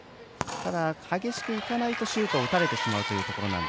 ただ、激しくいかないとシュートを打たれてしまうところ。